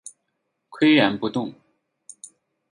岿然不动